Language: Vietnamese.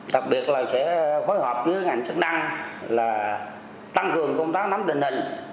đặc biệt là sẽ phối hợp với ngành sức năng là tăng cường công tác nắm tình hình